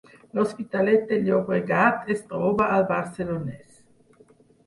L’Hospitalet de Llobregat es troba al Barcelonès